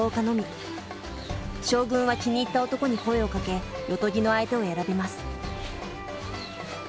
将軍は気に入った男に声をかけ夜伽の相手を選びます。